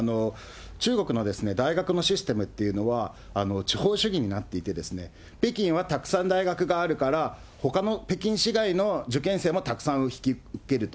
中国の大学のシステムっていうのは、地方主義になっていて、北京はたくさん大学があるからほかの北京市外の受験生もたくさん引き受けると。